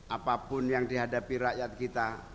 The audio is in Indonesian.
apapun yang dihadapi rakyat kita